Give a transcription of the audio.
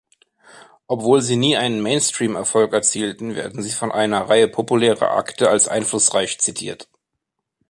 Obwohl sie nie einen Mainstream-Erfolg erzielten, werden sie von einer Reihe populärer Akte als einflussreich zitiert.